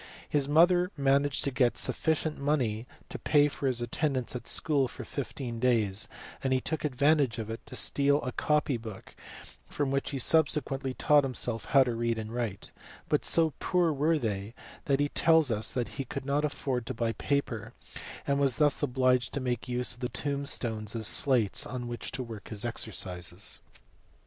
His mother managed to get sufficient money to pay for his attendance at school for fifteen days, and he took advantage of it to steal a copy book from which he sub sequently taught himself how to read and write ; but so poor were they that he tells us he could not afford to buy paper, and was obliged to make use of the tombstones as slates on which to work his exercises.